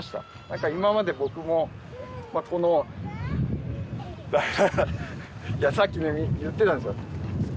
何か今まで僕もこのいやさっきね言ってたんですよ